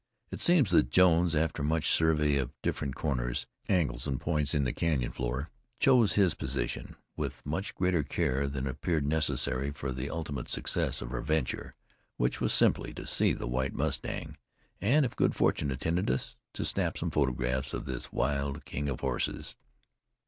It seemed that Jones, after much survey of different corners, angles and points in the canyon floor, chose his position with much greater care than appeared necessary for the ultimate success of our venture which was simply to see the White Mustang, and if good fortune attended us, to snap some photographs of this wild king of horses.